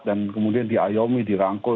dan kemudian diayomi dirangkul